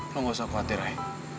lo gak usah khawatir rai